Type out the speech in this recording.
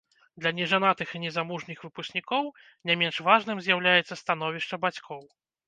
Для нежанатых і незамужніх выпускнікоў не менш важным з'яўляецца становішча бацькоў.